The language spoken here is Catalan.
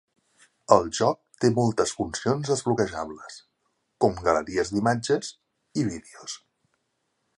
El joc té moltes funcions desbloquejables, com galeries d'imatges i vídeos.